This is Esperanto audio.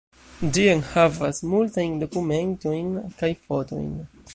Ĝi enhavas multajn dokumentojn kaj fotojn.